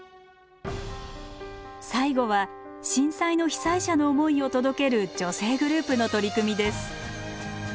最後は震災の被災者の思いを届ける女性グループの取り組みです。